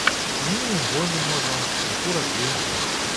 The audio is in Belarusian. У мінулым годзе, можа, крыху радзей.